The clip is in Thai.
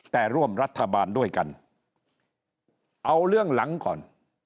แต่ร่วมรัฐบาลด้วยกันเอาเรื่องหลังก่อน